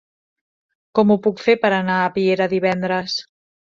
Com ho puc fer per anar a Piera divendres?